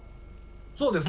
そうですね。